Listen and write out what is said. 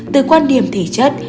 từ quan điểm thể chất